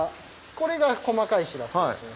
これが細かいシラスですね